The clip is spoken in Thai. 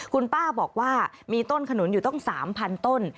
คุณป้าบอกว่ามีต้นขนุนอยู่ตั้ง๓๐๐ต้น